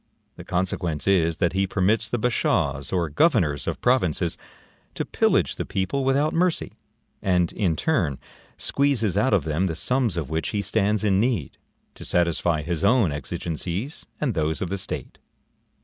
The consequence is that he permits the bashaws or governors of provinces to pillage the people without mercy; and, in turn, squeezes out of them the sums of which he stands in need, to satisfy his own exigencies and those of the state.